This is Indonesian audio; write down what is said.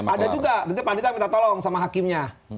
ada juga nanti panitia minta tolong sama hakimnya